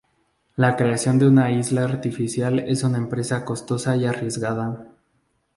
La creación de una isla artificial es una empresa costosa y arriesgada.